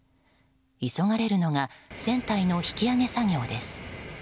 急がれるのが船体の引き揚げ作業です。